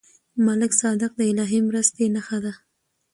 ملک صادق د الهي مرستې نښه ده.